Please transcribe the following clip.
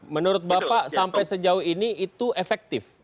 menurut bapak sampai sejauh ini itu efektif